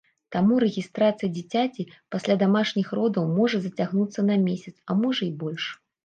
Таму рэгістрацыя дзіцяці пасля дамашніх родаў можа зацягнуцца на месяц, а можа, і больш.